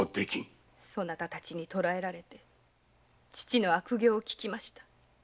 そなたたちに捕えられて父の悪行を聞きました。